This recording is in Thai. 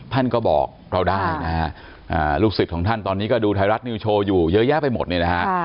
ท่านก็บอกเราได้นะฮะลูกศิษย์ของท่านตอนนี้ก็ดูไทยรัฐนิวโชว์อยู่เยอะแยะไปหมดเนี่ยนะฮะ